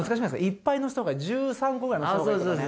いっぱいの人とか１３個ぐらいの人とかいるよね